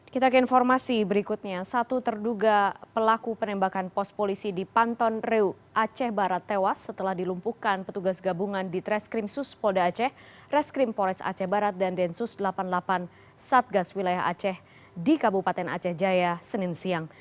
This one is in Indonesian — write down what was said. kita ke informasi berikutnya satu terduga pelaku penembakan pos polisi di panton reu aceh barat tewas setelah dilumpuhkan petugas gabungan di treskrim sus polda aceh reskrim pores aceh barat dan densus delapan puluh delapan satgas wilayah aceh di kabupaten aceh jaya senin siang